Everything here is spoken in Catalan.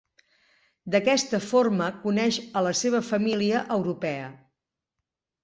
D'aquesta forma coneix a la seva família europea.